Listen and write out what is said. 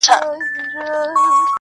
چي پرون مي وه لیدلې آشیانه هغسي نه ده -